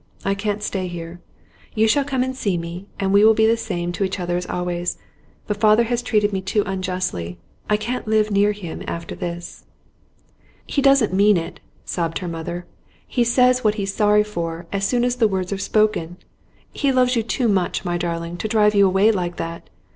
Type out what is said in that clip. I can't stay here. You shall come and see me, and we will be the same to each other as always. But father has treated me too unjustly. I can't live near him after this.' 'He doesn't mean it,' sobbed her mother. 'He says what he's sorry for as soon as the words are spoken. He loves you too much, my darling, to drive you away like that.